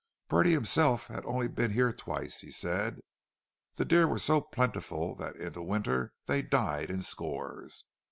Bertie himself had only been here twice, he said. The deer were so plentiful that in the winter they died in scores.